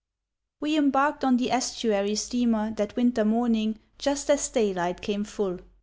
We embarked on the estuary steamer that winter morning just as daylight came full.